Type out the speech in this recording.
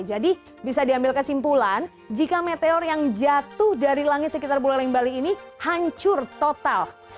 jadi bisa diambil kesimpulan jika meteor yang jatuh dari langit sekitar buleleng bali ini hancur total